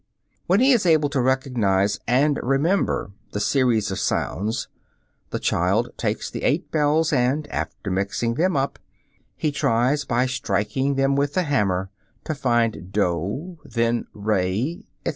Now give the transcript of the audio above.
When he is able to recognize and remember the series of sounds, the child takes the eight bells and, after mixing them up, he tries by striking them with the hammer, to find doh, then re, etc.